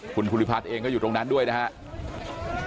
คุณภูริพัฒน์เองก็อยู่ตรงนั้นด้วยนะครับ